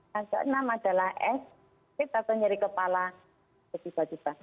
yang keenam adalah es kita ternyari kepala tiba tiba